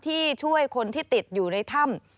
ที่ช่วยคนที่ติดอยู่ในถ้ำ